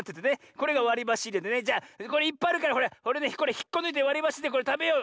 これがわりばしいれでねじゃこれいっぱいあるからほれひっこぬいてわりばしでこれたべよう。